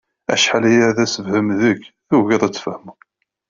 Acḥal aya d asefhem deg-k, tugiḍ ad tfehmeḍ.